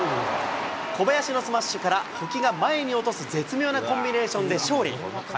小林のスマッシュから、保木が前に落とす絶妙なコンビネーションで勝利。